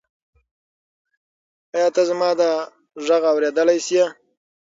ایا ته زما دا غږ اورېدلی شې؟